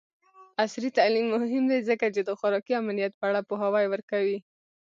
عصري تعلیم مهم دی ځکه چې د خوراکي امنیت په اړه پوهاوی ورکوي.